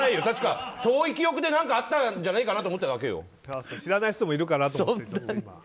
確か、遠い記憶で何かあったんじゃないかなと知らない人もいるかなと思って。